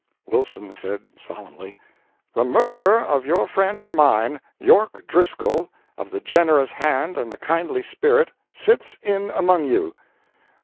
Wilson said, solemnly "The murderer of your friend and mine York Driscoll of the generous hand and the kindly spirit sits in among you.